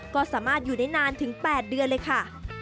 ก็สามารถอยู่ได้นานถึง๘เดือนเลยค่ะ